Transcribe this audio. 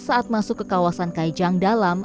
saat masuk ke kawasan kajang dalam